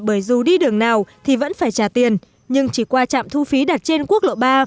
bởi dù đi đường nào thì vẫn phải trả tiền nhưng chỉ qua trạm thu phí đặt trên quốc lộ ba